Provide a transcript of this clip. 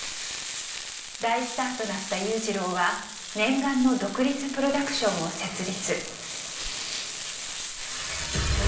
大スターとなった裕次郎は念願の独立プロダクションを設立。